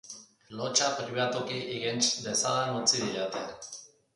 Lotsa pribatuki irents dezadan utzi didate.